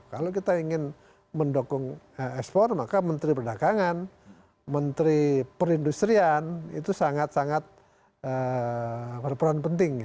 kalau kita ingin mendukung ekspor maka menteri perdagangan menteri perindustrian itu sangat sangat berperan penting